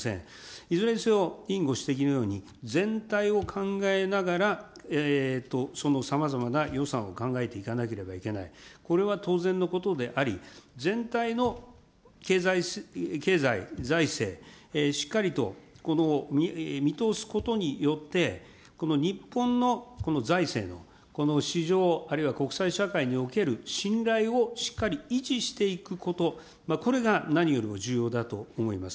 いずれにせよ、委員ご指摘のように、全体を考えながらそのさまざまな予算を考えていかなければいけない、これは当然のことであり、全体の経済、財政、しっかりと見通すことによって、日本の財政の市場、あるいは国際社会における信頼をしっかり維持していくこと、これが何よりも重要だと思います。